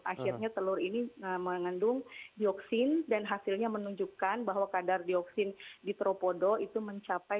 akhirnya telur ini mengandung dioksin dan hasilnya menunjukkan bahwa kadar dioksin di tropodo itu mencapai